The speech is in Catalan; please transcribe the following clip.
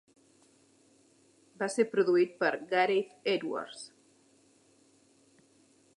Va ser produït per Gareth Edwards.